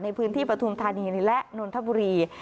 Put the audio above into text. ในพื้นที่ประธุมธานีและนวลธบุรี